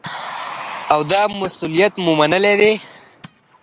او دا مسولیت مو منلی دی.